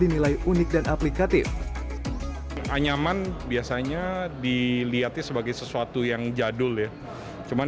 nilai unik dan aplikatif anyaman biasanya dilihatnya sebagai sesuatu yang jadul ya cuman